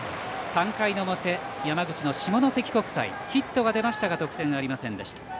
３回の表、山口の下関国際ヒットが出ましたが得点ありませんでした。